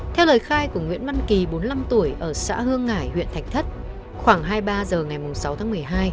theo lời khai của nguyễn văn kỳ bốn mươi năm tuổi ở xã hương hải huyện thạch thất khoảng hai mươi ba h ngày sáu tháng một mươi hai